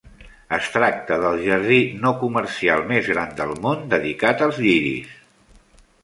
Es tracta del jardí no comercial més gran del món dedicat als lliris.